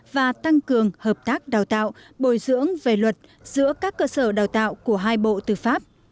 và tăng cường hợp tác đào tạo bồi dưỡng về luật giữa các cơ sở đào tạo của hai bộ tư pháp